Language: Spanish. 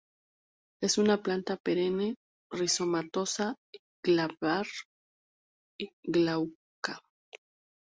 Es una planta perenne, rizomatosa, glabra, glauca.